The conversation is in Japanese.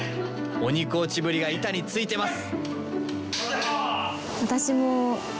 鬼コーチぶりが板についてます！